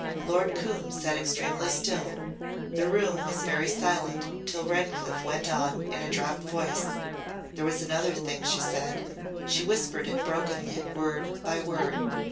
Lord Coombe sat extremely still. The room was very silent till Redcliff went on in dropped voice. "There was another thing she said. She whispered it brokenly word by word.